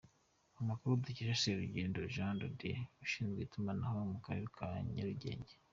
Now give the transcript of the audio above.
Amakuru dukesha Serugendo Jean de Dieu ushinzwe itumanaho mu Karere ka Nyarugenge.